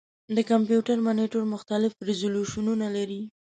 د کمپیوټر مانیټر مختلف ریزولوشنونه لري.